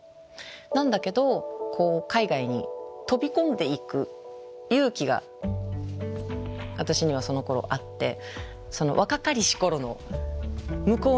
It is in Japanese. なんだけど海外に飛び込んでいく勇気が私にはそのころあってその若かりし頃の向こう見ずな勇気って言うんですか。